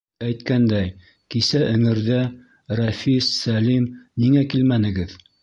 Әйткәндәй, кисә эңерҙә, Рәфис, Сәлим, ниңә килмәнегеҙ?